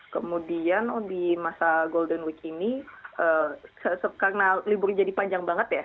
kemudian di masa golden week ini karena libur jadi panjang banget ya